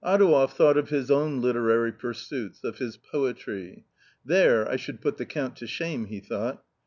Adouev thought of his literary pursuits, of his poetry. " There I should put him to shame," he thought.